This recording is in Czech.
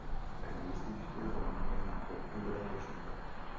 Hnízdiště obývají od dubna do října.